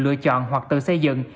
lựa chọn hoặc tự xây dựng